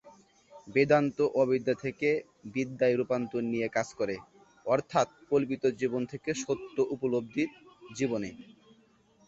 বেদান্ত অবিদ্যা থেকে বিদ্যায় রূপান্তর নিয়ে কাজ করে, অর্থাৎ কল্পিত জীবন থেকে সত্য উপলব্ধির জীবনে।